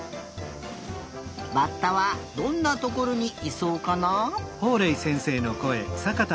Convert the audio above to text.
バッタはどんなところにいそうかな？